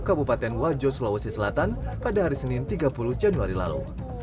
kabupaten wajo sulawesi selatan pada hari senin tiga puluh januari lalu